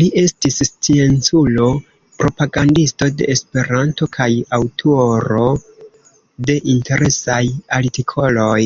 Li estis scienculo, propagandisto de Esperanto kaj aŭtoro de interesaj artikoloj.